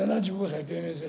７５歳定年制。